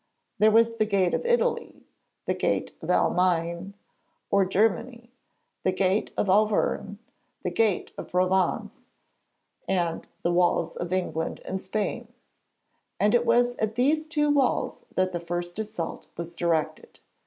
There was the 'gate of Italy,' the 'gate of Almaine' or Germany, the 'gate of Auvergne,' the 'gate of Provence,' the 'Walls of England and Spain'; and it was at these two walls that the first assault was directed.